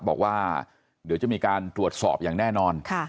บอกว่าเดี๋ยวจะมีการตรวจสอบอย่างแน่นอน